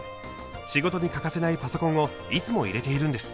仕事に欠かせないパソコンをいつも入れているんです。